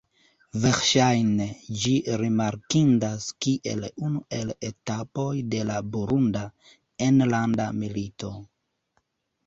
Verŝajne, ĝi rimarkindas kiel unu el etapoj de la Burunda enlanda milito.